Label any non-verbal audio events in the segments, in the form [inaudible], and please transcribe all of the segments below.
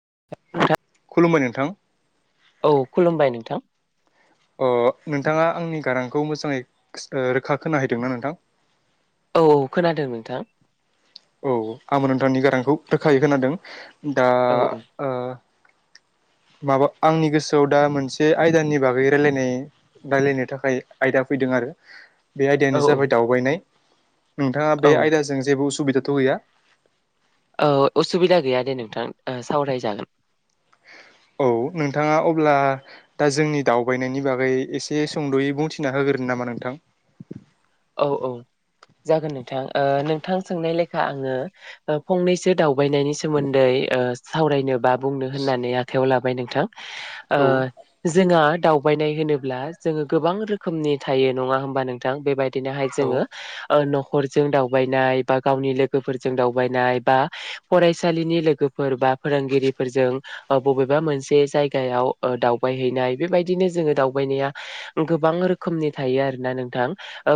[inaudible] खुलुमबाय नोंथां। औ खुलुमबाय नोंथां। अ नोंथाङा आंनि गारांखौ मोजाङै रोखा खोनाहैदोंना नोंथां? औ औ खोनादों नोंथां। औ आंबो नोंथांनि गारांखौ रोखायै खोनादों दा औ ओ माबा आंनि गोसोआव दा मोनसे आयदानि बागै राय रायलायनो थाखाय आयदा फैदों आरो बे औ आयदायानो जाबाय दावबायनाय नोंथाङा बे औ आयदाजों जेबो उसुबिदाथ' गैया? औ असुबिदा गैया दे नोंथां सावरायजागोन औ नोंथाङा अब्ला दा जोंनि दावबायनायनि बागै एसे सुंद'यै बुंथिना होगोन? गोन नामा नोंथां? औ औ जागोन नोंथां ओ नोंथां सोंनाय लेखा आङो फंनैसो दाउ बायनायनि सोमोन्दै सावरायनो बा बुंनो होननानै आखायाव लाबाय नोंथां। ओ औ जोंहा दावबायनाय होनोब्ला जोङो गोबां रोखोमनि थायो नङा होमबा नोंथां बेबायदि बिदिनोहाय औ जोङो न'खरजों दावबायनाय बा गावनि लोगोफोरजों दावबायनाय बा फरायसालिनि लोगो बा फोरोंगिरिफोरजों बबेबा मोनसे जायगायाव दावबाय हैैनाय बेबायदिनो जोङो दावबायनाया गोबां रोखोमनि थायो आरोना नोंथां।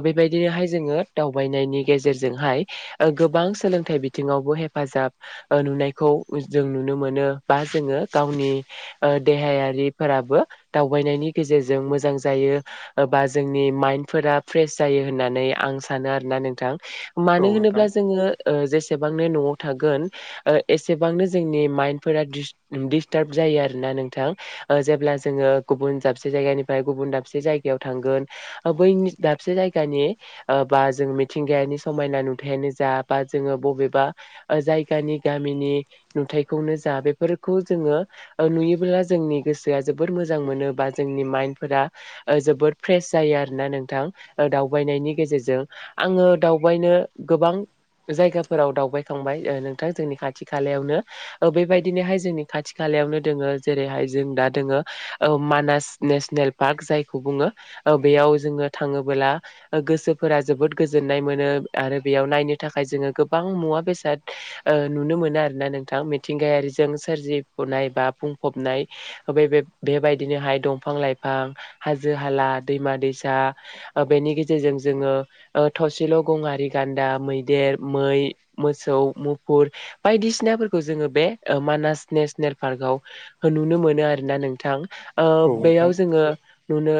बेबायदिनोहाय जोङो दावबायनायनि गेजेरजोंहाय गोबां सोलोंथाइ बिथिङावबो हेफाजाब हेफाजाब नुनायखौ जों नुनो मोनो बा जोङो गावनि देहायारिफोराबो दावबायनायनि गेजेरजों मोजां जायो बा जोंनि माइन्डफोरा फ्रेश जायो होननानै आं सानो आरोना नोंथां औ मानो नोंथां होनोब्ला जोङो जेसेबांनो न'आव थागोन ओ एसेबांनो जोंनि माइन फोर दिस्टार्ब जायो। जायो आरोना नोंथां जेब्ला जोङो गुबुन दाबसे जायगानिफ्राय गुबुन दाबसे जायगायाव थांगोन बै दाबसे जायगानि बा जों मिथिंगायानि समायना नुथायानो जा बा जोङो बबेबा जायगानि गामिनि नुथायखौनो जा बेफोरखौ जोङो नुयोब्ला जों - जोंनि गोसोआ जोबोर मोजां मोनो बा जोंनि माइन्दफोरा जोबोद फ्रेस जायो आरोना नोंथां। दावबायनायनि गेजेरजों आङो दावबायनो गोबां जायगाफोराव दावबायखांबाय नोंथां जोंनि खाथि खालायावनो बेबायदिनोहाय जोंनि खाथि खालायाव नायावनो जोङो जेरैहाय जों दा दोङो ओ मानास नेसनेल पार्क जायखौ बुङो। ओ बेयाव जोङो थाङोबोला ओ गोसोफोरा जोबोद गोजोननाय मोनो आरो बेयाव नायनो थाखाय जोङो गोबां मु वा बेसाद ओ नुनो मोनो आरोना नोंथां मिथिंगायारिजों सोरजिफनाय बा बुंफबना नाय ओ बे-बेबायदिनोहाय दंफां लाइफां, हाजो हाला, दैमा दैसा बेनि गेजेरजों जोङो थसेल' गङारि गान्दा, मैदेर, मै मोसौ, मुफुर बायदिसिनाफोरखौ जोङो बे ओ मानास नेसनेल पार्कव होन नुनो मोनो आरोना नोंथां ओ औ बेयाव नोंथां जोङो नुनो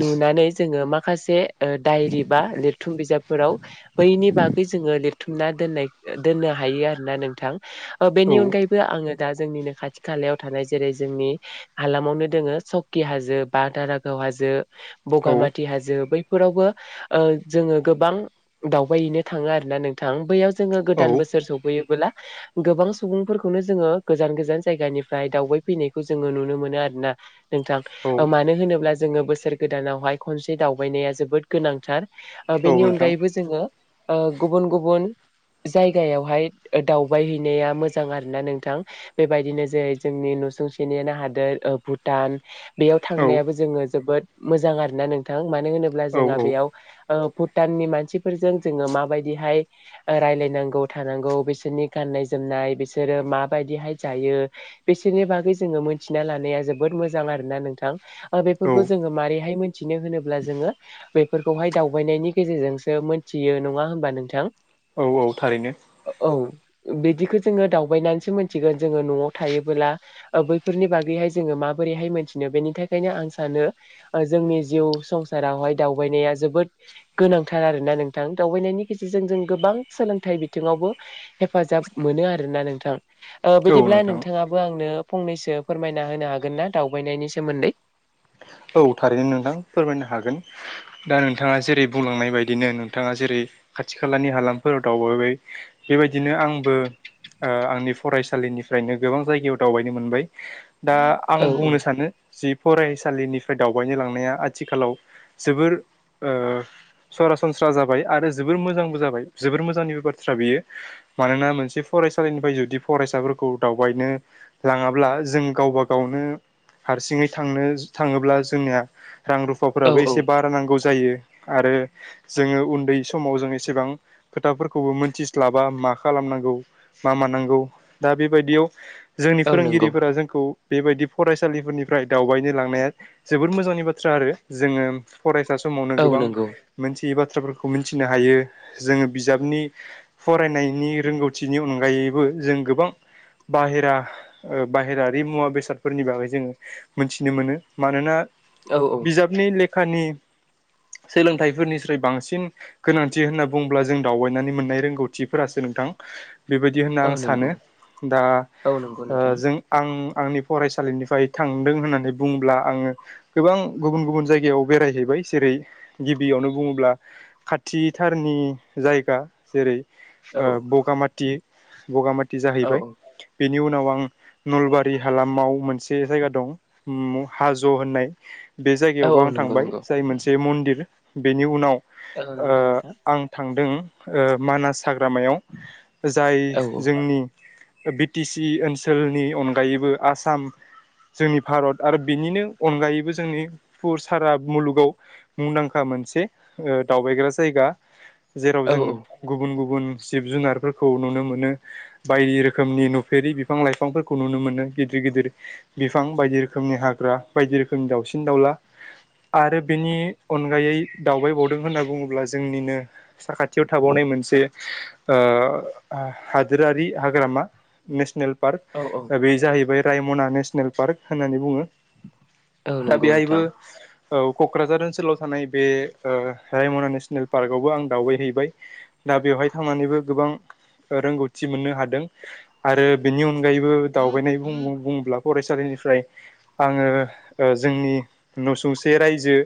नुनानै जोङो माखासे ओ दायरि बा लिरथुम बिजाबफोराव बैनि बागै जोङो लिरथुमना दोननाय दोननो हायो आरोना नोंथां । बेनि औ अनगायैबो आङो दा जोंनिनो खाथि खालायाव थानाय जेरै जोंनि हालामावनो दोङो सकि हाजो बा दारागाव हाजो, बगा औ टि हाजो बैफोरावबो जोङो गोबां दावबाहैनो थाङो आरोना नोंथां। बैयाव जोङो औ गोदान बोसोर सौफैयो बोला गोबां सुबुंफोरखौनो जोङो गोजान गोजान जायगानिफ्राय दावबायफैनायखौ जोङो नुनो मोनो आ रोना नोंथां। औ मानो होनोब्ला जोङो बोसोर गोदानावहाय खनसे दावबायनाया जोबोद गोनांथार औ बेनि नोंथां अनगायैबो जोङो ओ गुबुन गुबुन जायगायावहाय दावबाय हैैनाया मोजां आरो ना नोंथां। बेबायदिनो जेरै जोंनि नुसुंसेनिनो हादोर भुटान बेयाव औ थांनायाबो जोङो जोबोद मोजां आरो ना नोंथां। मानो होनोब्ला जोंहा औ बेयाव ओ भुटाननि मानसिफोरजों जोङो माबायदिहाय रायलायनांगौ, थानांगौ, बिसोरनि गाननाय जोमनाय, बिसोरो माबादिहाय जायो बिसोरनि बागै जोङो मोनथिना लानाया जोबोद मोजां आरो ना नोंथां। ओ औ बेफोरखौ जोङो मारैहाय मिथिनो होनोब्ला जोङो बेफोरखौहाय दावबायनायनि गेजेरजोंसो मोनथियो नङा होनबा नोंथां। औ औ थारैनो। बिदिखो जोङो दावबायनानैसो मोनथिगोन, जोङो न'आव थायोबोला बैफोरनि बागैहाय जोङो मा बोरैहाय मोनथिनो? बेनि थाखायनो आं सानो ओ जोंनि जिउ संसारावहाय दावबायनाया जोबोद गोनांथार आरोना नोंथां। दावबायनायनि गेजेरजों जों गोबां बां सोलोंथाइ बिथिङावबो हेफाजाब मोनो आरोना नोंथां। ओ औ बिदिब्ला नोंथां नोंथाङाबो आंनो फंनैसो फोरमायना होनो हागोन ना दावबायनायनि सोमोन्दै? औ थारैनो नोंथां फोरमायनो हागोन। दा नोंथाङा जेरै बुंलांनाय बायदिनो नोंथाङा जेरै खाथि खालानि हालामफोराव दावबायबाय बेबायदिनो आंबो ओ आंनि फरायसालिनिफ्रायनो गोबां जायगायाव दावबायनो मोनबाय। दा आं औ बुंनो सानो जि फरायसालिनि फ्राय दावबायनो लांनाया आथिखालाव जोबोर ओ सरासनस्रा जाबाय आरो जो बोर मोजांबो जाबाय, जोबोर मोजांनिबो बाथ्रा बेयो। मानोना मोनसे फरायसालिनिफ्राय जुदि फरायसाफोरखौ दावबायनो लाङाब्ला जों गावब गावनो हारसिङै थांनो थाङोब्ला जोंनिया रां औ रुफाफोराबो औ एसे बारा नांगौ जायो। आरो जोङो उन्दै समाव जोङो एसेबां खोथाफोरखौबो मोनथिस्लाबा मा खालाम नांगौ, मा मानांगौ। दा बेबायदियाव जोंनि औ नंगौ फोरोंगिरिफोरा जोंखौ बेबायदि फरायसालिफोरनिफ्राय दावबायनो लांनाया जोबोर मोजांनि बाथ्रा आरो जोङो फरायसा समावनो औ गोबां नंगौ मोन थियि बाथ्राफोरखौ मिन्थिनो हायो। जोङो बिजाबनि फरायनायनि रोंगौथिनि अनगायै बो जों गोबां बाहेरा बाहेरारि मुवा बेसादफोरनि बागै जोङो मोनथिनो मोनो। मानोना औ औ बिजाबनि लेखानि सोलोंथाइफोरनिस्राय बांसिन गोनांथि होनना बुंङोब्ला जों दावबायनानै मोननाय रोंगौथिफोरासो नोंथां बेबादि होनना औ आं नंगौ सानो दा औ नंगौ नोंथां जों आं आंनि फरायसालिनिफाय थांदों होननानै बुं अब्ला आङो गोबां गुबुन गुबुन जायगायाव बेरायहैबाय जेरै गिबियावनो बुङोब्ला खाथिथारनि जायगा जेरै औ ओ बगामाथि बगामाथि औ जाहैबाय औ बेनि उनाव आं नलबारि हालामाव मोनसे जायगा दं हाज' होननाय बे औ जायगायावबो औ आं नंगौ थांबाय नंगौ जाय मोनसे मन्दिर बेनि उनाव औ ओ नंगौ नोंथां आं थांदों मानास हाग्रामायाव जाय औ जोंनि बि टि सि ओनसोलनि अनगायैबो आसाम जोंनि भारत आरो बिनिनो अनगायैबो जोंनि फुर सारा मुलुगाव मुंदांखा मोनसे ओ दावबाय ग्रा जायगा जेराव औ जों गुबुन गुबुन जिब जुनारफोरखौ नुनो मोनो बायदि रोखोमनि नुफेरि बिफां लाइफांफोरखौ नुनो मोनो गिदिर गिदिर बिफां बायदि रोखोमनि हाग्रा बायदि रोखोमनि दाउसिन दाउला आरो बेनि अनगायै दावबायबावदों होनना बुङोब्ला जोंनिनो साखाथियाव थाबावनाय मोनसे ओ हादोरारि हाग्रामा नेसनेल औ औ पार्क बे जाहैबाय रायमना नेसनेल पार्क होननानै बुङो औ दा नंगौ बेहायबो नोंथां औ क'क्राझार ओनसोलाव थानाय बे ओ रायमना नेसनेल पार्कआवबो आं दावबायहैबाय दा बेवहाय थांनानैबो गोबां रोंगौथि मोननो हादों आरो बेनि अनगायैबो दावबायनाय बुङोब्ला फरायसालि निफ्राय आङो जोंनि न' सौसे रायजो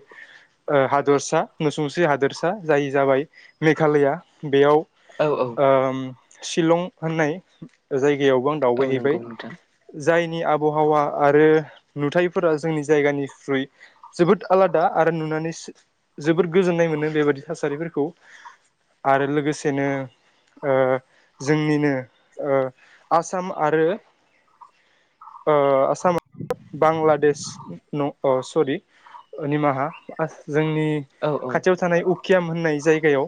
ओ हादोरसा नसुंसे हादोरसा जाय जाबाय मेघालया बेयाव औ औ ओ शिलं होननाय जायगा गायावबो आं औ दावबायहैबाय नंगौ नोंथां जायनि आबहावा आरो नुथायफोरा जोंनि जायगानिख्रुइ जोबोद आलादा आरो नुनानै जोबोद गोजोननाय मोनो बेबायादि थासारिफोरखौ आरो लोगोसेनो ओ जोंनिनो ओ आसाम आरो ओ आसाम बांलादेश न अ सरि ओ निमाहा जोंनि औ औ खाथियाव थानाय उकियाम होननाय जायगायाव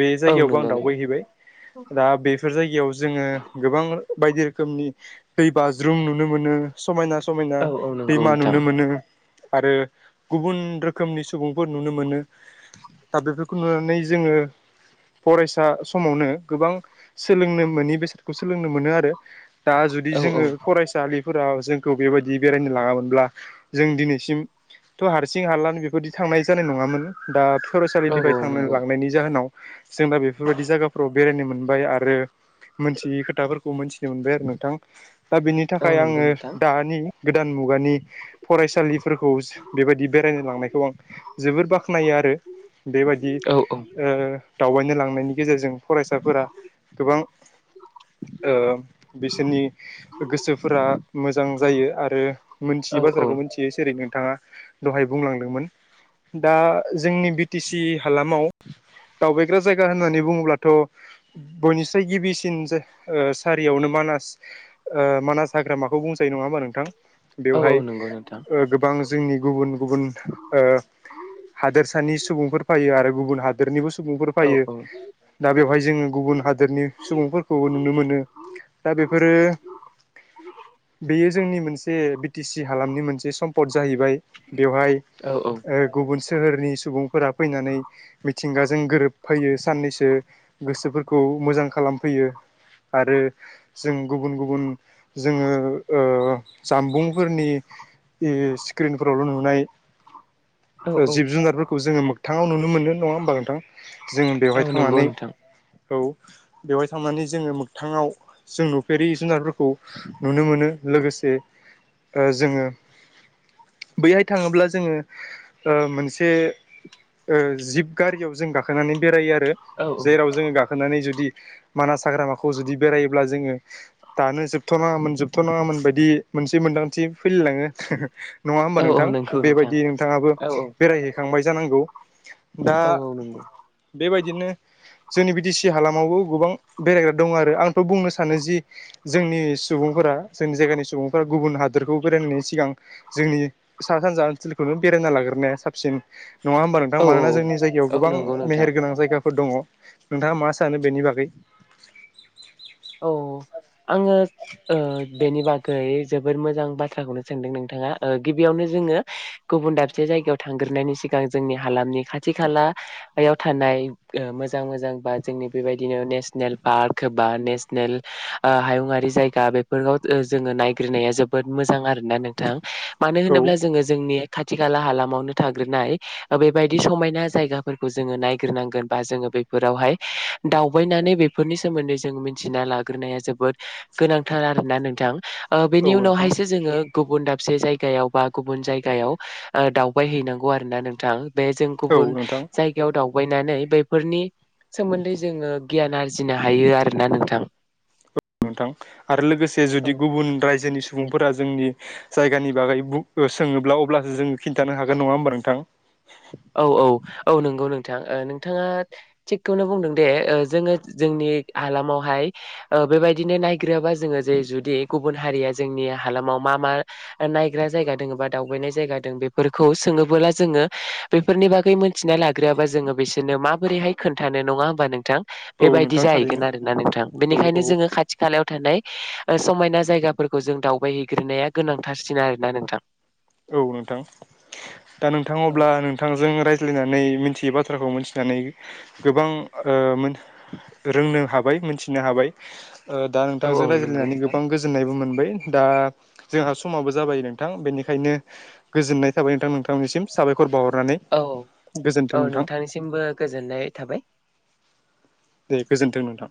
बे औ जायगायावबो नंगौ आं नंगौ दावबायहैबाय दा बेफोर जायगायाव जोङो गोबां बायदि रोखोमनि दै बाज्रुम नुनो मोनो समायना स समायना औ औ नंगौ दैमा नोंथां नुनो मोनो। आरो गुबुन रोखोमनि सुबुंफोर नुनो मोनो दा बेफोरखौ नुनानै जोङो ओ फरायसा समावनो गोबां सोलोंनो मोनि बेसादखौ सोलोंनो मोनो आरो। दा जुदि औ औ जोङो फरायसालिफोराव जों खौ बेबायदि बेरायनो लाङामोनब्ला जों दिनैसिम थ' हारसिं हारलानो बेफोरदि थांनाय जानाय नङामोन दा औ औ फरायसालिनिफ्राय थांनो नंगौ लांनायनि जाहोनाव जों दा बेफोरबायदि जायगाफोराव बेरायनो मोनबाय आरो मोनथियै खोथाफोरखौ मोनथिनो मोनबाय आरो नोंथां दा बेनि औ थाखाय नंगौ आङो नोंथां दानि गोदान मुगानि फरायसालि फोरखौ बेबायदि बेरायनो लांनायखौ आं जोबोर बाख्नायो आरो बेबायदि औ औ ओ दावबायनो लांनायनि गेजेरजों फरायसाफोरा गोबां ओ बिसोरनि गोसोफोरा मोजां जायो आरो मोनथियि औ बाथ्राखौ मोनथियो सेरै नोंथाङा दहाय बुंलांदोंमोन। दा जोंनि बि टि सि हालामाव दावबायग्रा जायगा होननानै बुङोब्लाथ' बयनिसाय गिबिसिन जा ओ सारियावनो मा मानास ओ मानास हाग्रामा खौ बुंजायो नङा होमबा नोंथां? औ औ बेवहाय नंगौ नोंथां ओ गोबां जोंनि गुबुन गुबुन ओ हादोरसानि सुबुंफोर फायो आरो गुबुन हादोरनिबो सु सुबुंफोर औ फैयो औ दा बेवहाय जोङो गुबुन हादोरनि सुबुंफोरखौबो नुनो मोनो। दा बेफोरो बेयो जोंनि मोनसे बि टि सि हालामनि मोनसे सम्पद जाहैबाय बेवहाय औ औ ओ गुबुन सोहोरनि सुबुंफोरा फैनानै मिथिंगाजों गोरोबफैयो साननैसो गोसोफोरखौ मोजां खालामफैयो आरो जों गुबुन गुबुन जोङो ओ जामबुंफोरनि इ स्क्रिनफोरावल' नुनाय ओ जिब जुनारफोरखौ जोङो मोगथाङाव नुनो मोनो नङा होमबा नोंथां? जों औ बेवहाय नंगौ थांनानै नोंथां औ बेवहाय थांनानै जोङो मोगथाङाव जों नुफेरि जुनारफोरखौ नुनो मोनो लोगोसे ओ जोङो बैहाय थाङोब्ला जोङो ओ मोनसे ओ जिब गारियाव जों गाखोनानै बेरायो आरो औ औ जेराव जोङो गाखोनानै जुदि मानास हाग्रामाखौ जुदि बेरायोब्ला जोङो दानो जोबथ'नाङामोन जोबथ'नाङामोन बायदि मोनसे मोन्दांथिबो फैलायलाङो। नङा होमबा औ औ नोंथां? नंगौ नोंथां बेबायदि नोंथाङाबो औ औ बेरायहैखांबाय जानांगौ। दा औ औ नंगौ। बेबायदिनो जोंनि बि टि सि हालामावबो गोबां बेरायग्रा दं आरो आंथ' बुंनो सानो जि जोंनि सुबुं फोरा जोंनि जायगानि सुबुंफोरा गुबुन हादोरखौ बेरायनायनि सिगां जोंनि सा सानजा ओनसोलखौनो बेराय ना लाग्रोरनाया साबसिन नङा होमबा नोंथां? औ मानोना जोंनि जायगायाव औ औ गोबां नंगौ नोंथां मेहेरगोनां जायगाफोर दङ। नोंथाङा मा सानो बेनि बागै? औ आङो ओ नि बागै जोबोोर मोजां बाथ्राखौनो सोंदों नोंथाङा गिबियावनो जोङो गुबुन दाबसे जायगायाव थांग्रोनायनायनि सिगां जोंनि हालामनि खाथि खालायाव थानाय मोजां मोजां बा जोंनि बेबायदि बिदिनो नेसनेल पार्क होबा नेस नेसनेल हायुंङारि जायगा बेाव जोङो नायग्रनाया जोबोद मोजां आरो ना नोंथां मानो औ होनोब्ला जोङो जोंनि खाथि खाला हालामावनो थाग्रोनाय बेबायदि समायना जायगाफोरखौ जोङो नायग्रोनांगोन बा जोङो बेफोरावहाय दावबायनानै बेफोरनि सोमोन्दै जों मिन्थिना लाग्रोनाया जोबोद गोनांथार आरोना नोंथां औ बेनि नोंथां उनावहायसो जोङो गुबुन दाबसे जायगायाव बा गुबुन जायगायाव दावबाय हैैनांगौ आरो ना नोंथां बे जों औ गुबुन नोंथां जायगायाव दाउ दगायनानै बैफोरनि सोमोन्दै जोङो गियान आरजिनो हायो आरोना नोंथां । नोंथां आरो लोगोसे जुदि औ गुबुन रायजोनि सुबुंफोरा जोंनि जायगानि बागै सोङोब्ला अब्लासो जोङो खिन्थानो हागोन नङा होमबा नोंथां? औ औ औ नंगौ ओ नोंथाङा थिगखौनो बुंदों दे जोङो जोंनि हालामावहाय बेबायदिनो नायग्रोबा जोङो जे जुदि गुबुन हारिया जोंनि हालामाव मा मा नायग्रा जायगा दङ बा दावबायनाय जायगा दं बेफोरखौ सोङो। थबोला जोङो बेफोरनि बागै मोनथिना लाग्रोआबा जोङो बिसोरनो माबोरैहाय खोन्थानो नङा होमबा नोंथां? औ बेबायदि नोंथां थारैनो जाहैगोन आरोना नोंथां औ औ बेनिखायनो जोङो खाथि खालायाव थानाय समायना जायगाफोरखौ जों दावबायहैग्रोना गोनांथारसिन आरोना नोंथां । औ नोंथां दा नोंथां औ अब्ला नों नोंथांजों रायज्लायनानै मिथियै बाथ्राखौ मिथिनानै गोबां ओ मोन रोंनो हाबाय मोनथिनो हाबाय दा औ औ नोंथांजों नंगौ रायज्लायनानै नोंथां। गोबां गोजोननायबो मोनबाय दा जोंहा समाबो जाबाय नोंथां बेनिखायनो गोजोननाय थाबाय नोंथां नोंथांमोननिसिम साबायर। औ औ नोंथांनिसिमबो गोजोननाय थाबाय। दे गोजोनथों नोंथां।